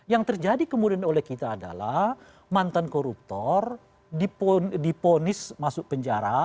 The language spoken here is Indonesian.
yang terjadi kemudian oleh kita adalah mantan koruptor diponis masuk penjara